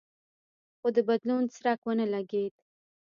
خو د بدلون څرک ونه لګېد.